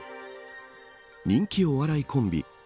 人気お笑いコンビ